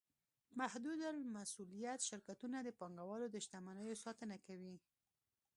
محدودالمسوولیت شرکتونه د پانګهوالو د شتمنیو ساتنه کوي.